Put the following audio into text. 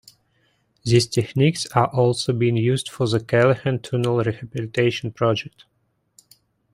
These techniques are also being used for the Callahan Tunnel Rehabilitation Project.